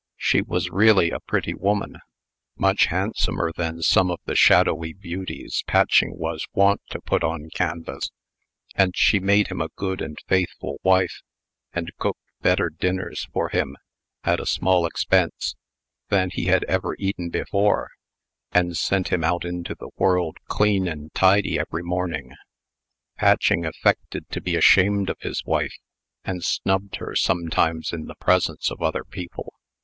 She was really a pretty woman much handsomer than some of the shadowy beauties Patching was wont to put on canvas and she made him a good and faithful wife and cooked better dinners for him, at a small expense, than he had ever eaten before and sent him out into the world clean and tidy every morning. Patching affected to be ashamed of his wife, and snubbed her sometimes in the presence of other people.